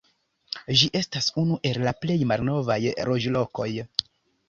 Ĝi estas unu el la plej malnovaj loĝlokoj.